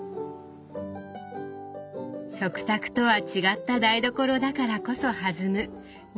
食卓とは違った台所だからこそ弾む料理談議。